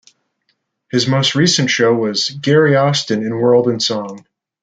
His most recent show was "Gary Austin in Word and Song".